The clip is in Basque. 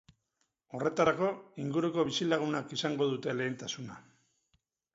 Horretarako, inguruko bizilagunak izango dute lehentasuna.